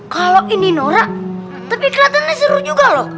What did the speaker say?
kalau ini norak tapi kelihatannya seru juga loh